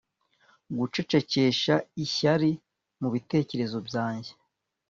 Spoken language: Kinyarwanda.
Gucecekesha ishyari mubitekerezo byanjye